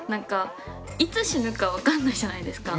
いつ死ぬか分かんないじゃないですか。